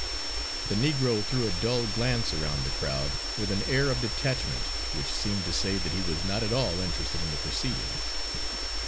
The negro threw a dull glance around the crowd with an air of detachment which seemed to say that he was not at all interested in the proceedings.